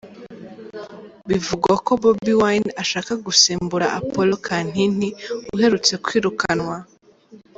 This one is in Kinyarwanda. Bivugwa ko Bobi Wine ashaka gusimbura Apollo Kantinti uherutse kwirukanwa.